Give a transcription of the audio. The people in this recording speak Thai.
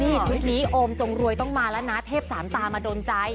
นี่ชุดนี้โอมจงรวยต้องมาแล้วนะเทพสามตามาโดนใจ